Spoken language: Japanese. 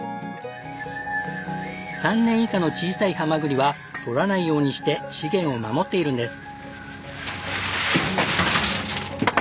３年以下の小さいハマグリは獲らないようにして資源を守っているんです。